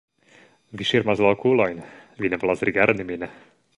Vi ŝirmas la okulojn, vi ne volas rigardi min!